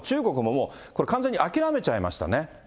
もうこれ完全に諦めちゃいましたね。